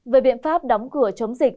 với biện pháp đóng cửa chống dịch